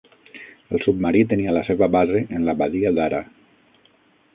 El submarí tenia la seva base en la Badia d'Ara.